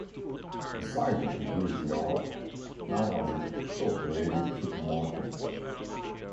The site of the goods yard now has a Co-operative supermarket.